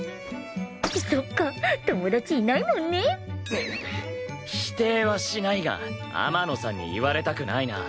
そっか友達いないもんね。否定はしないが天野さんに言われたくないな。